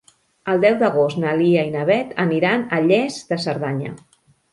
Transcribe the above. El deu d'agost na Lia i na Beth aniran a Lles de Cerdanya.